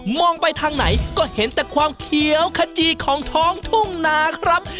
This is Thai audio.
ไปทางไหนก็เห็นแต่ความเขียวขจีของท้องทุ่งนาครับ